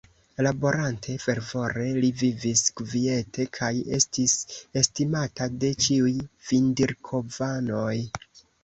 Laborante fervore, li vivis kviete kaj estis estimata de ĉiuj Vindirkovanoj.